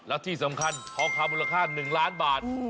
แล้วที่สำคัญทองคำมูลค่า๑ล้านบาท